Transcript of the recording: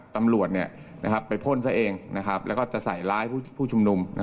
ตำรวจไปพ่นเองและใส่ร้ายผู้ชุมนุม